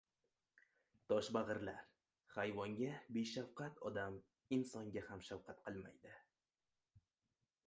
Toshbag‘irlar. Hayvonga beshafqat odam insonga ham shafqat qilmaydi